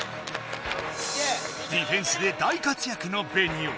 ディフェンスで大活躍のベニオ。